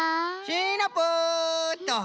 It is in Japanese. シナプーっと。